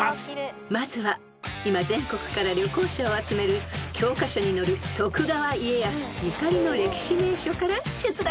［まずは今全国から旅行者を集める教科書に載る徳川家康ゆかりの歴史名所から出題］